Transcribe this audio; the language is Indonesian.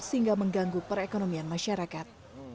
sehingga mengganggu perekonomian masyarakat